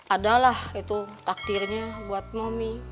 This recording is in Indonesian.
ada lah itu takdirnya buat mami